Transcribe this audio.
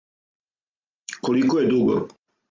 Колико је дуго?